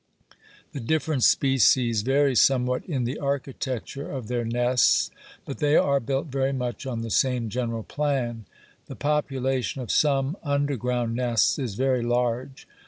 The different species vary somewhat in the architecture of their nests; but they are built very much on the same general plan. The population of some underground nests is very large.